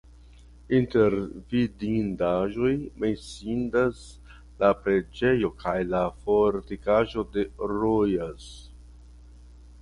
Inter vidindaĵoj menciindas la preĝejo kaj la fortikaĵo de Rojas.